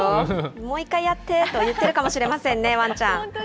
もう１回やってと言ってるかもしれませんね、ワンちゃん。